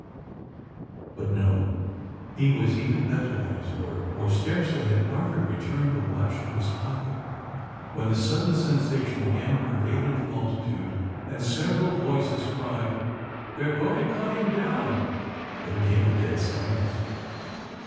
But, no: he was even better than his word;—for scarcely had Arthur returned the watch to his pocket, when a sudden sensation again pervaded the multitude—and several voices cried, "They are going to cut him down!" Then came a dead silence.